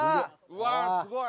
うわすごい。